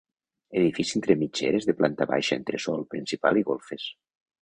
Edifici entre mitgeres de planta baixa, entresòl, principal i golfes.